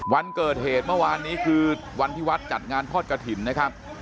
วันเกิดเหตุเมื่อวานนี้คือวันที่วัดจัดงานทอดกระถิ่นนะครับ